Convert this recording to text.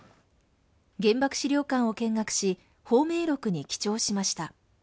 原爆資料館を見学し、芳名録に記帳しました。